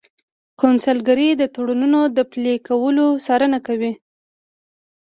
قونسلګرۍ د تړونونو د پلي کولو څارنه کوي